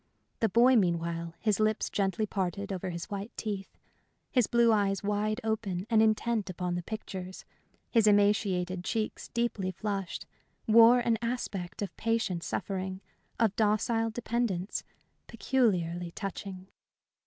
The boy, meanwhile, his lips gently parted over his white teeth, his blue eyes wide open and intent upon the pictures, his emaciated cheeks deeply flushed, wore an aspect of patient suffering, of docile dependence, peculiarly touching.